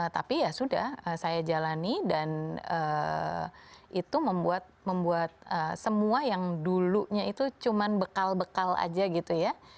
tapi ya sudah saya jalani dan itu membuat semua yang dulunya itu cuma bekal bekal aja gitu ya